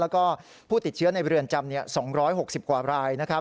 แล้วก็ผู้ติดเชื้อในเรือนจำ๒๖๐กว่ารายนะครับ